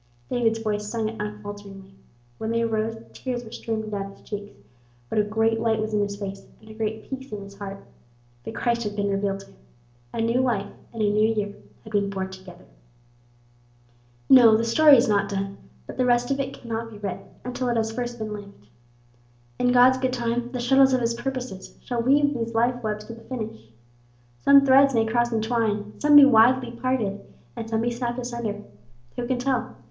David's voice sung it unfalteringly. When they arose the tears were streaming down his cheeks, but a great light was in his face, and a great peace in his heart. The Christ had been revealed to him. A new life and a new year had been born together. No, the story is not done, but the rest of it can not be written until it has first been lived. In God's good time the shuttles of his purposes shall weave these life webs to the finish. Some threads may cross and twine, some be widely parted, and some be snapped asunder. Who can tell?